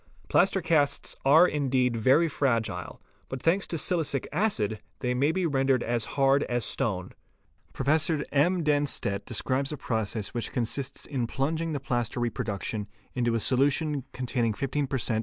Plaster casts are indeed very fragile but thanks to silicic acid they may be rendered as hard as REPRODUCTION OF FOOTPRINTS 549 stone. Professor M. Dennstedt®® describes a process which consists in plunging the plaster reproduction into a solution containing 15 per cent.